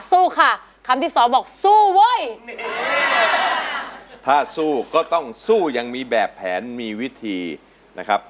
สู้ค่ะคำที่สองบอกสู้เว้ยถ้าสู้ก็ต้องสู้ยังมีแบบแผนมีวิธีนะครับ